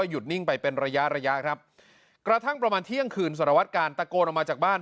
หยุดนิ่งไปเป็นระยะระยะครับกระทั่งประมาณเที่ยงคืนสารวัตกาลตะโกนออกมาจากบ้าน